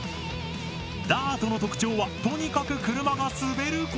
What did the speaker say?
ダートの特徴はとにかく車が滑ること。